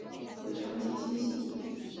尾长且纤细。